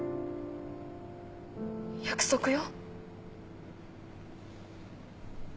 約束よ。